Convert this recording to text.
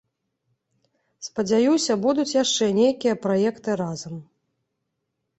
Спадзяюся, будуць яшчэ нейкія праекты разам.